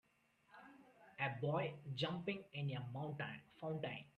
A boy jumping in a fountain.